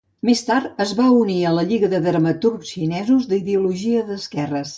Més tard, es va unir a La Lliga de Dramaturgs Xinesos, d'ideologia d'esquerres.